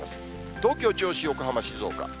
東京、銚子、横浜、静岡。